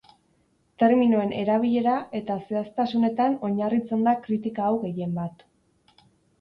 Terminoen erabilera eta zehaztasunetan oinarritzen da kritika hau gehienbat.